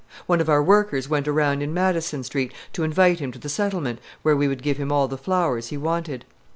One of our workers went around in Madison Street to invite him to the Settlement, where we would give him all the flowers he wanted.